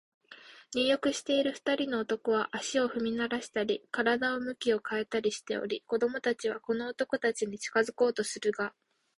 入浴している二人の男は、足を踏みならしたり、身体を向き変えたりしており、子供たちはこの男たちに近づこうとするが、